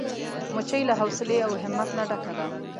مچمچۍ له حوصلې او همت نه ډکه ده